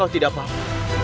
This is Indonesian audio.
kau tidak apa apa